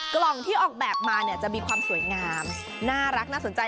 กล่องที่ออกแบบมาเนี่ยจะมีความสวยงามน่ารักน่าสนใจ